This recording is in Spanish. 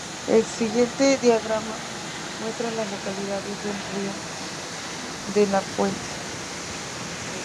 El siguiente diagrama muestra a las Localidad en un radio de de La Puente.